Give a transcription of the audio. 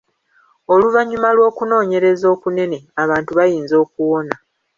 Oluvannyuma lw’okunoonyereza okunene, abantu bayinza okuwona.